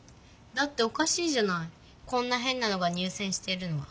だっておかしいじゃないこんなへんなのが入せんしてるのは。